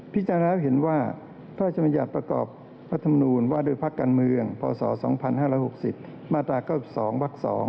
พิจารณาเห็นว่าพระนักยัดประกอบพัฒนูญว่าโดยภักดิ์การเมืองพศ๒๕๖๐มาตรา๙๒ว๒